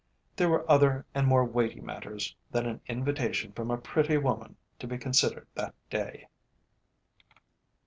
There were other and more weighty matters than an invitation from a pretty woman to be considered that day.